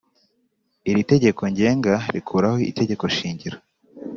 Iri tegeko ngenga rikuraho Itegeko shingiro